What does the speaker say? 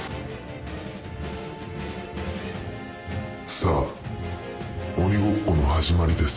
さぁ鬼ごっこの始まりです。